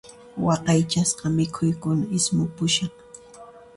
Waqaychasqa mikhuykuna ismupushan.